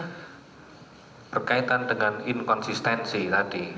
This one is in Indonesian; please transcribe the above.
dia menanyakan dengan inkonsistensi tadi